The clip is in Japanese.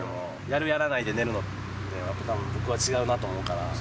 やるやらないで寝るのって、僕は違うなと思うから。